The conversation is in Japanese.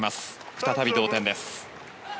再び同点です。